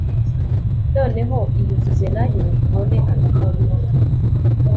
Noneho iyuzuze na yo ubone amahoro